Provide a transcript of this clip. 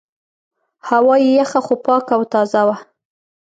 هوا یې یخه خو پاکه او تازه وه.